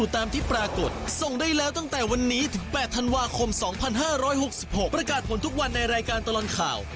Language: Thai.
๘ธันวาคม๒๕๖๖ประกาศผลทุกวันในรายการตลอดข่าว